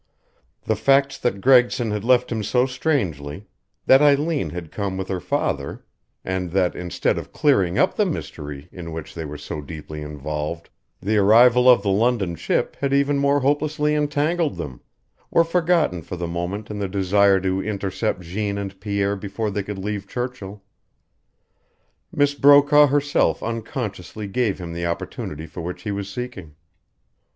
The facts that Gregson had left him so strangely, that Eileen had come with her father, and that, instead of clearing up the mystery in which they were so deeply involved, the arrival of the London ship had even more hopelessly entangled them, were forgotten for the moment in the desire to intercept Jeanne and Pierre before they could leave Churchill. Miss Brokaw herself unconsciously gave him the opportunity for which he was seeking.